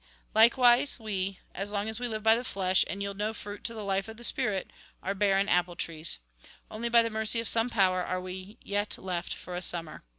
" Likewise we, as long as we Kve by the flesh, and yield no fruit to the life of the spirit, are barren 8o THE GOSPEL IN BRIEF apple trees. Only by the mercy of some power are we yet left for a summer.